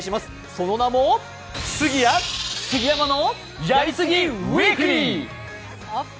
その名も杉谷・杉山の「やり杉！ウィークリー！」